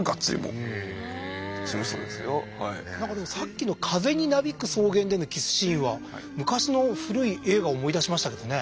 なんかでもさっきの風になびく草原でのキスシーンは昔の古い映画を思い出しましたけどね。